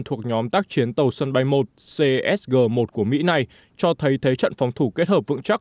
thuộc nhóm tác chiến tàu sân bay một csg một của mỹ này cho thấy thế trận phòng thủ kết hợp vững chắc